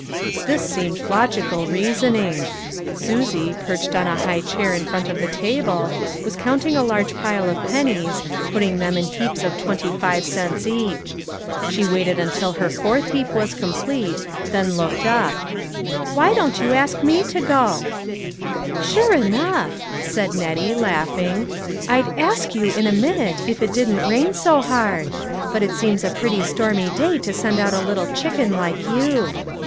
This seemed logical reasoning. Susie, perched on a high chair in front of the table, was count ing a large pile of pennies, putting them in heaps of twenty five cents each. She waited TOO GOOD TO BE TKUE. 391 until her fourth heap was complete, then looked up. " Why don't you ask me to go? "" Sure enough !" said Nettie, laughing, " I'd * ask ' you in a minute if it didn't rain so hard ; but it seems a pretty stormy day to send out a little chicken like you."